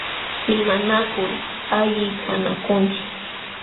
Limanakul allichanakunchik.